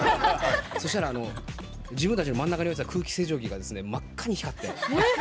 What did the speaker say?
そしたら自分たちの真ん中に置いていた空気清浄機が真っ赤に光って。